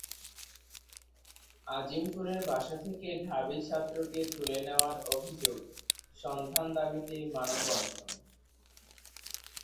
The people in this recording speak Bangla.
আজিমপুরের বাসা থেকে ঢাবি ছাত্রকে তুলে নেওয়ার অভিযোগ, সন্ধান দাবিতে মানববন্ধন